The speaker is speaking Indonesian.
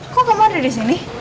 kok kamu ada disini